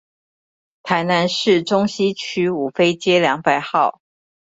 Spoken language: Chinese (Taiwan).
台南市中西區五妃街兩百號